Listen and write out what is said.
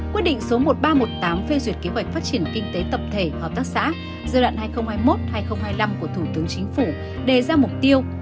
quyết định số một nghìn ba trăm một mươi tám phê duyệt kế hoạch phát triển kinh tế tập thể hợp tác xã giai đoạn hai nghìn hai mươi một hai nghìn hai mươi năm của thủ tướng chính phủ đề ra mục tiêu